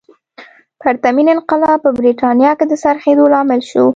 پرتمین انقلاب په برېټانیا کې د څرخېدو لامل شو.